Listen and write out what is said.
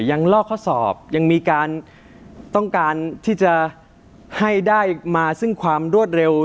ลอกข้อสอบยังมีการต้องการที่จะให้ได้มาซึ่งความรวดเร็ว